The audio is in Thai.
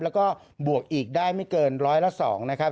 แล้วก็บวกอีกได้ไม่เกินร้อยละ๒นะครับ